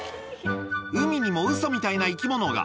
海にもウソみたいな生き物が。